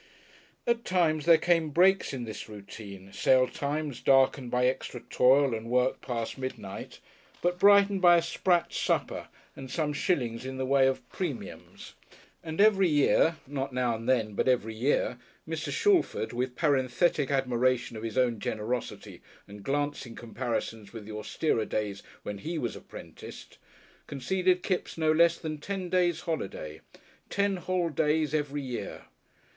At times there came breaks in this routine sale times, darkened by extra toil and work past midnight, but brightened by a sprat supper and some shillings in the way of 'premiums.' And every year not now and then, but every year Mr. Shalford, with parenthetic admiration of his own generosity and glancing comparisons with the austerer days when he was apprenticed, conceded Kipps no less than ten days' holiday ten whole days every year!